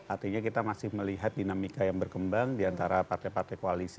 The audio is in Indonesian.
artinya kita masih melihat dinamika yang berkembang diantara partai partai koalisi